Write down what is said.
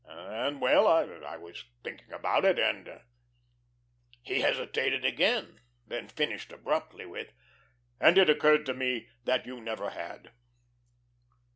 And well, I was thinking about it, and " He hesitated again, then finished abruptly with, "And it occurred to me that you never had."